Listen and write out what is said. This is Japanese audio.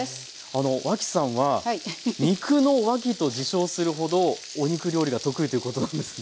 あの脇さんは「肉の脇」と自称するほどお肉料理が得意ということなんですね。